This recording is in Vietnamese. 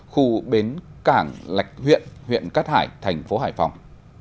khu bến cảng lạch huyện huyện cát hải thành phố hải phòng